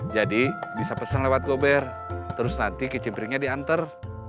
jadi bisa pesan lewat gober terus nanti kecimpirnya diantar